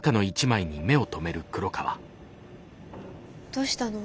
どうしたの？